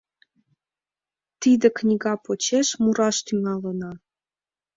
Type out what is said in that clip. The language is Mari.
Тиде книга почеш мураш тӱҥалына.